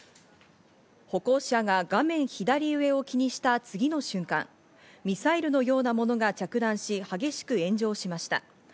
歩行者が画面左上を気にした次の瞬間、ミサイルのようなものが着弾し、激しく炎上しました。